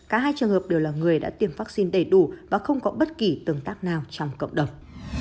cả hai trường hợp đều là người đã tiêm vaccine đầy đủ và không có bất kỳ tương tác nào trong cộng đồng